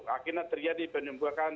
akhirnya terjadi penembakan